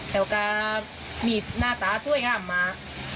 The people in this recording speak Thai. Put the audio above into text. แล้วก็มีหน้าตาสวยงามมา